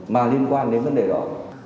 mà liên quan đến vấn đề đó